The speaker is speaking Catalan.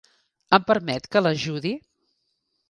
Em permet que l'ajudi?